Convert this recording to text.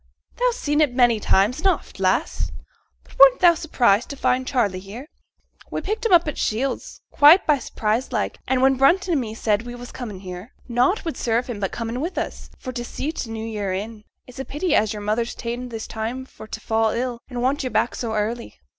'Thou's seen it many a time and oft, lass. But weren't thou surprised to find Charley here? We picked him up at Shields, quite by surprise like; and when Brunton and me said as we was comin' here, nought would serve him but comin' with us, for t' see t' new year in. It's a pity as your mother's ta'en this time for t' fall ill and want yo' back so early.'